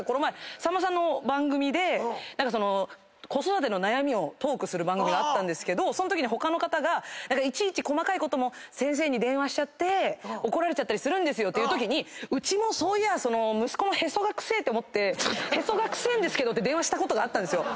さんまさんの番組で子育ての悩みをトークする番組があったんですがそのときに他の方が「いちいち細かいことも先生に電話しちゃって怒られちゃったりするんですよ」っていうときにうちも息子のへそが臭えって思ってへそが臭えんですけどって電話したことがあったんですよ。